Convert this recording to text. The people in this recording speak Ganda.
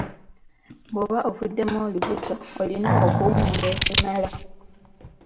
Bw'oba ovuddemu olubuto olina okuwummula ekimala.